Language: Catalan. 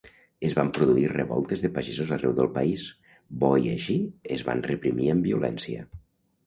Es van produir revoltes de pagesos arreu del país; bo i així, es van reprimir amb violència.